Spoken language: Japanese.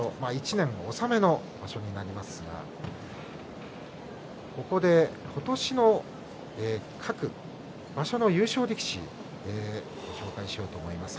１年納めの場所になりますがここで今年の各場所の優勝力士ご紹介しようと思います。